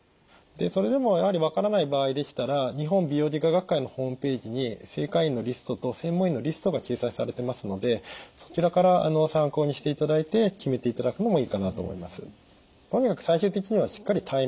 でそれでもやはり分からない場合でしたら日本美容外科学会のホームページに正会員のリストと専門医のリストが掲載されてますのでそちらから参考にしていただいて決めていただくのもいいかなと思います。